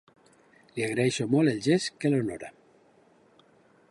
Li agraeixo molt el gest, que l’honora.